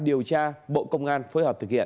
điều tra bộ công an phối hợp thực hiện